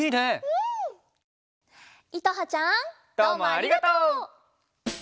どうもありがとう！